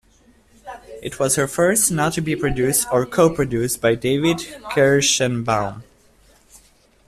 It was her first not to be produced or co-produced by David Kershenbaum.